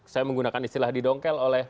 saya menggunakan istilah didongkel oleh